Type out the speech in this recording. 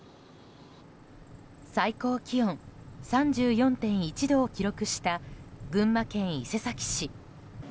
最高気温３４．１度を記録した群馬県伊勢崎市。